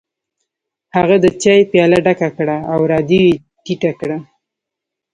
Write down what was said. هغه د چای پیاله ډکه کړه او رادیو یې ټیټه کړه